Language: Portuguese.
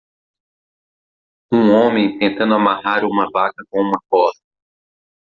Um homem tentando amarrar uma vaca com uma corda.